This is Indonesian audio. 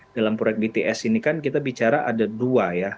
dalam proyek bts ini kan kita bicara ada dua ya